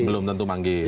belum tentu manggil